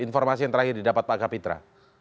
informasi yang terakhir didapat pak kapitra